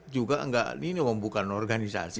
juga enggak ini om bukan organisasi